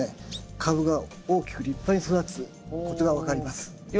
株が大きく立派に育つことが分かります。